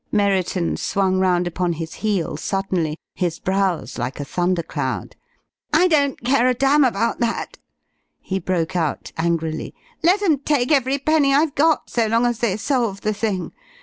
Merriton swung round upon his heel suddenly, his brows like a thunder cloud. "I don't care a damn about that," he broke out angrily. "Let 'em take every penny I've got, so long as they solve the thing!